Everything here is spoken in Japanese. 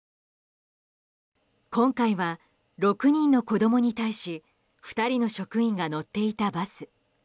今回は６人の子供に対し２人の職員が乗っていたバス。